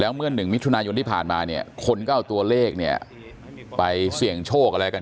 เมื่อ๑มิถุนายนที่ผ่านมาเนี่ยคนก็เอาตัวเลขเนี่ยไปเสี่ยงโชคอะไรกัน